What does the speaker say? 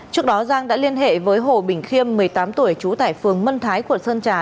trước đó giang đã liên hệ với hồ bình khiêm một mươi tám tuổi trú tại phường mân thái quận sơn trà